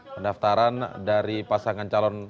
pendaftaran dari pasangan calon